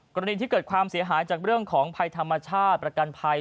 กรณีที่เกิดความเสียหายจากเรื่องของภัยธรรมชาติประกันภัย